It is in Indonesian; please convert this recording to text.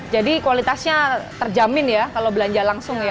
jadi kualitasnya terjamin ya kalau belanja langsung ya